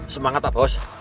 semangat pak bos